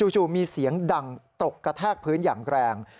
จู่มีเสียงดังตกกระแทกพื้นอย่างแรง